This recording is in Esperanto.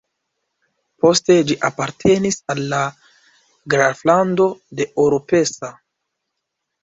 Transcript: Poste ĝi apartenis al la graflando de Oropesa.